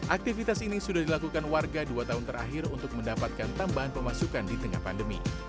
aktivitas ini sudah dilakukan warga dua tahun terakhir untuk mendapatkan tambahan pemasukan di tengah pandemi